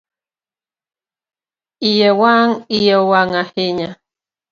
Iye owang ahinya